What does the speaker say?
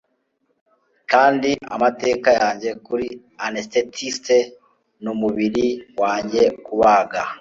kandi amateka yanjye kuri anesthetiste numubiri wanjye kubaga